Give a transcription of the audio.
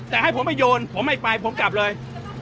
แต่ให้ผมไปโยนผมไม่ไปผมกลับเลย